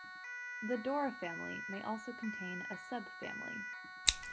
The Dora family may also contain a subfamily.